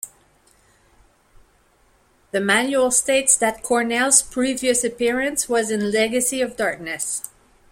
The manual states that Cornell's previous appearance was in Legacy of Darkness.